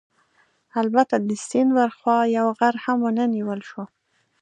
البته د سیند ورهاخوا یو غر هم ونه نیول شو.